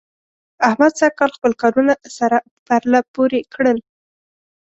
احمد سږکال خپل کارونه سره پرله پورې کړل.